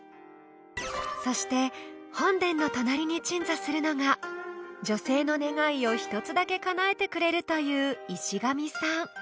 そして本殿の隣に鎮座するのが女性の願いを１つだけかなえてくれるという石神さん。